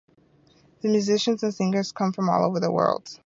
The musicians and singers come from all over the world.